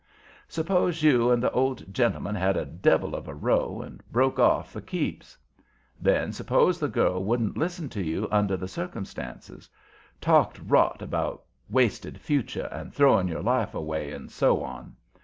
Suppose you and the old gentleman had a devil of a row, and broke off for keeps. Then suppose the girl wouldn't listen to you under the circumstances. Talked rot about 'wasted future' and 'throwing your life away' and so on.